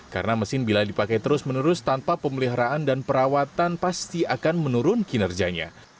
karena mesin bila dipakai terus menerus tanpa pemeliharaan dan perawatan pasti akan menurun kinerjanya